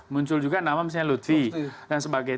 muncul juga nama misalnya lutfi dan sebagainya